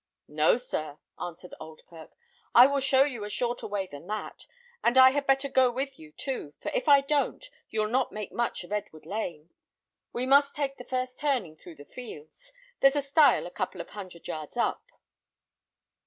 "No, sir," answered Oldkirk, "I will show you a shorter way than that; and I had better go with you too, for if I don't, you'll not make much of Edward Lane. We must take the first turning through the fields: there's a stile a couple of hundred yards up."